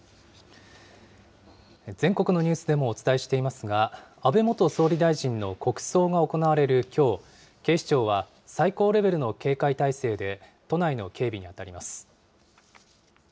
全国のニュースでもお伝えしていますが、安倍元総理大臣の国葬が行われるきょう、警視庁は、最高レベルの警戒態勢で、都内の警備に当たります。